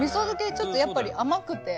ちょっとやっぱり甘くて。